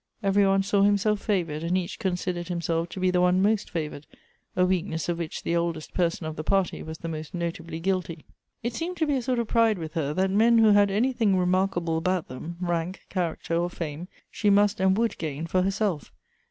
Every one saw himself favored, and each considered himself to be the one most favored, a weakness of which the oldest person of the party was the most notably guilty. It seemed to be a sort of pride with her, that men who ' had anything remarkable about them — rank, character, or fame — she must and would gain for herself.